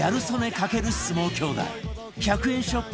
×相撲兄弟１００円ショップ